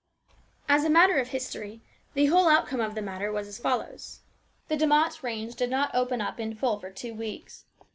As a matter of history the whole outcome of the matter was as follows. The De Mott range did not open up in full for two weeks.